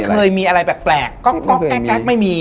เคยมีอะไรแปลกก๊อกแก๊กไม่มี